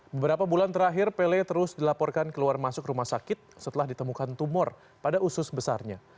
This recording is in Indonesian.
beberapa bulan terakhir pele terus dilaporkan keluar masuk rumah sakit setelah ditemukan tumor pada usus besarnya